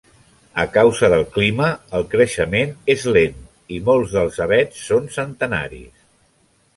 A causa del clima, el creixement és lent, i molts dels avets són centenaris.